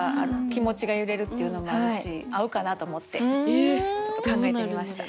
気持ちが揺れるっていうのもあるし合うかなと思ってちょっと考えてみました。